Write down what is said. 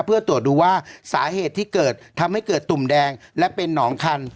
เพื่อตรวจดูว่าสาเหตุที่เกิดทำให้เกิดตุ่มแดงและเป็นหนองคัน